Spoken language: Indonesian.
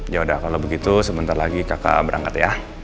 ya udah kalo begitu sebentar lagi kakak berangkat ya